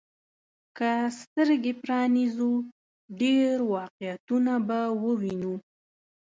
که سترګي پرانيزو، ډېر واقعيتونه به ووينو.